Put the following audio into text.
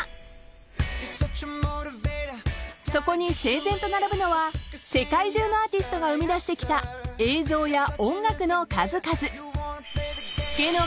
［そこに整然と並ぶのは世界中のアーティストが生みだしてきた映像や音楽の数々］